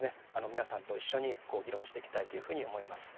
皆さんと一緒にこう議論していきたいというふうに思います。